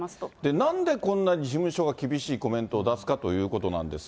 なんでこんな事務所が厳しいコメントを出すかということなんですが。